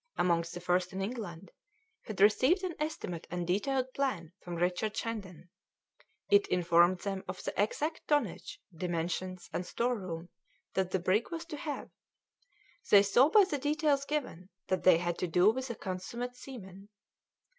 amongst the first in England, had received an estimate and detailed plan from Richard Shandon; it informed them of the exact tonnage, dimensions, and store room that the brig was to have. They saw by the details given that they had to do with a consummate seaman.